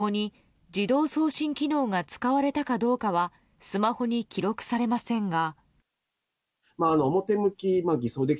送信した人、受信した人共に自動送信機能が使われたかどうかはスマホに記録されませんが。